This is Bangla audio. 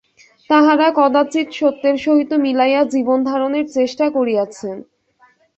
তাঁহারা কদাচিৎ সত্যের সহিত মিলাইয়া জীবন-ধারণের চেষ্টা করিয়াছেন।